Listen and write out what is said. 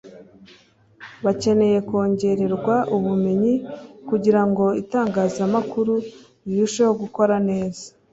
bakeneye kongererwa ubumenyi kugirango itangazamakuru rirusheho gukora neza”